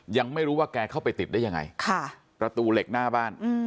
ยังไม่รู้ว่าแกเข้าไปติดได้ยังไงค่ะประตูเหล็กหน้าบ้าน